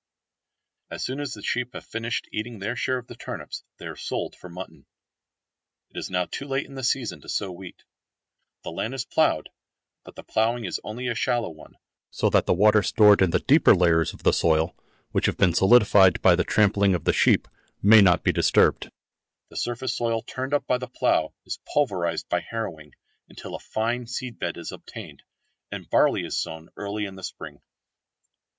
As soon as the sheep have finished eating their share of the turnips they are sold for mutton. It is now too late in the season to sow wheat. The land is ploughed, but the ploughing is only a shallow one, so that the water stored in the deeper layers of the soil which have been solidified by the trampling of the sheep may not be disturbed. The surface soil turned up by the plough is pulverised by harrowing until a fine seed bed is obtained, and barley is sown early in the spring.